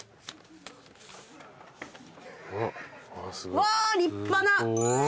わ立派な。